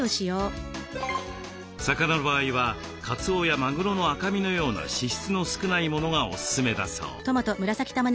魚の場合はかつおやまぐろの赤身のような脂質の少ないものがおすすめだそう。